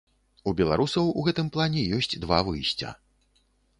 У беларусаў у гэтым плане ёсць два выйсця.